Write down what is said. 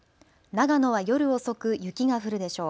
長野は夜遅く雪が降るでしょう。